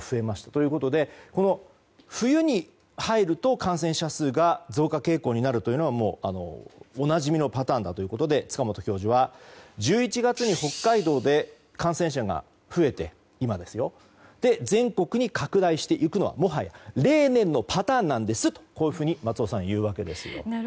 ということで冬に入ると感染者数が増加傾向になるというのはおなじみのパターンということで塚本教授は１１月に北海道で感染者が増えて全国に拡大していくのはもはや例年のパターンなんですというわけなんですよ。